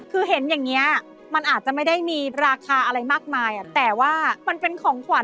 คุณแอมมือ๒ลูปดูมาพี่ว่าให้๑๐๐บาทแล้วกันค่ะ